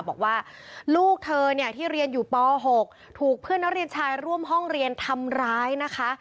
บอกว่าลูกเธอเนี่ยที่เรียนอยู่ป๖ถูกเพื่อนนักเรียนชายร่วมห้องเรียนทำร้ายนะคะ